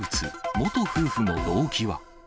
元夫婦の動機は？